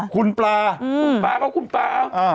คุณปลาก็คุณปลา